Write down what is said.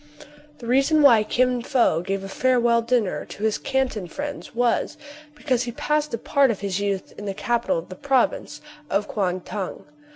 The reason why Kin Fo gave a farewell dinner to his Canton friends was, because he passed a part of his youth in the capital of the province of Kuang Tung.